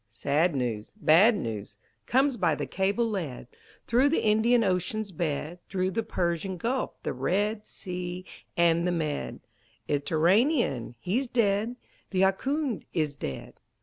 Sad news, Bad news, Comes by the cable led Through the Indian Ocean's bed, Through the Persian Gulf, the Red Sea and the Med Iterranean he's dead; The Ahkoond is dead!